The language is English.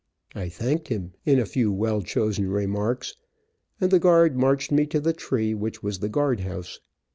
I thanked him, in a few well chosen remarks, and the guard marched me to the tree, which was the guard house.